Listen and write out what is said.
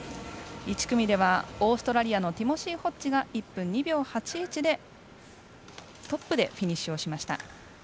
１組ではオーストラリアのティモシー・ホッジが１分２秒８１でトップでフィニッシュしました。